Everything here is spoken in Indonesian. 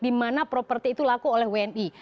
di mana properti itu laku oleh wni